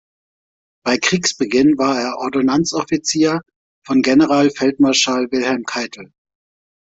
Bei Kriegsbeginn war er Ordonnanzoffizier von Generalfeldmarschall Wilhelm Keitel.